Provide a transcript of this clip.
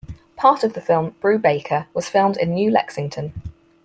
Part of the film "Brubaker" was filmed in New Lexington.